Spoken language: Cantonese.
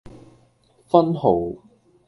分號